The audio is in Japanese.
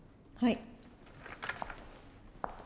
はい。